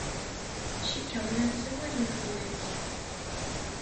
Cikkeɣ llan ssawalen fell-ak.